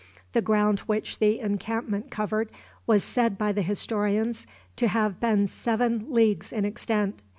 The ground which the encampment covered was said by the historians to have been seven leagues in extent.